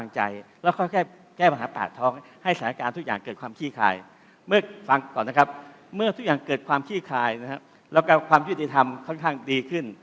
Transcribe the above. ชีวิตทางค่อนข้างดีขึ้น